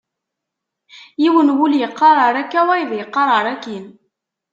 Yiwen n wul yeqqar err akka, wayeḍ yeqqar err akkin.